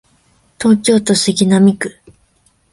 東京都杉並区